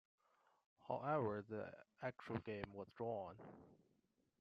However, the actual game was drawn.